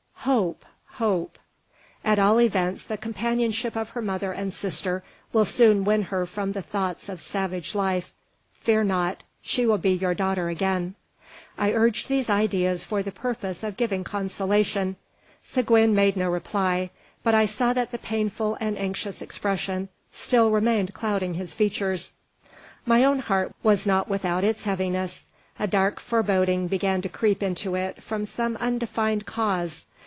"Hope! Hope!" "At all events, the companionship of her mother and sister will soon win her from the thoughts of savage life. Fear not! She will be your daughter again." I urged these ideas for the purpose of giving consolation. Seguin made no reply; but I saw that the painful and anxious expression still remained clouding his features. My own heart was not without its heaviness. A dark foreboding began to creep into it from some undefined cause.